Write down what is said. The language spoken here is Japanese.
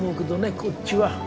こっちは。